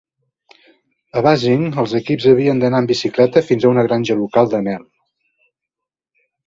A Buzzing, els equips havien d'anar amb bicicleta fins a una granja local de mel.